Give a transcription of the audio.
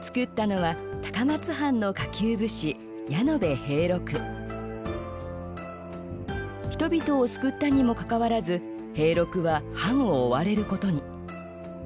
造ったのは人々を救ったにもかかわらず平六は藩を追われることに。